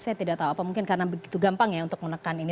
saya tidak tahu apa mungkin karena begitu gampang ya untuk menekan ini